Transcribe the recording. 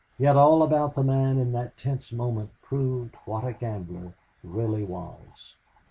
Yet all about the man in that tense moment proved what a gambler really was.